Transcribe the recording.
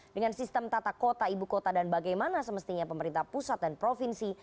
dengan sistem tata kota ibu kota dan bagaimana semestinya pemerintah pusat dan provinsi